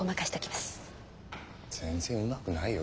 全然うまくないよ